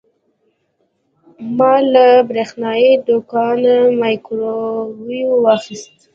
ما له برېښنايي دوکانه مایکروویو واخیست.